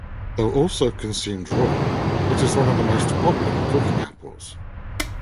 Though also consumed raw, it is one of the most popular cooking apples.